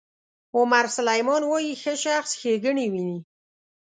عمر سلیمان وایي ښه شخص ښېګڼې ویني.